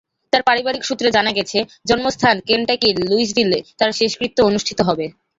তাঁর পারিবারিক সূত্রে জানা গেছে, জন্মস্থান কেনটাকির লুইসভিলে তাঁর শেষকৃত্য অনুষ্ঠিত হবে।